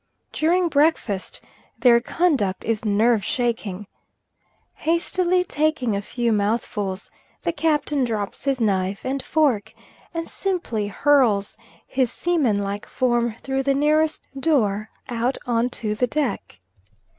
During breakfast their conduct is nerve shaking. Hastily taking a few mouthfuls, the Captain drops his knife and fork and simply hurls his seamanlike form through the nearest door out on to the deck.